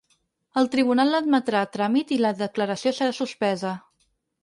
El tribunal l’admetrà a tràmit i la declaració serà suspesa.